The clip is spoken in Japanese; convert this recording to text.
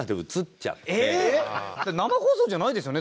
生放送じゃないですよね？